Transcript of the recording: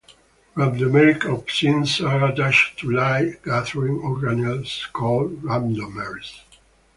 Rhabdomeric opsins are attached to light-gathering organelles called rhabdomeres.